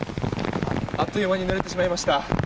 あっという間にぬれてしまいました。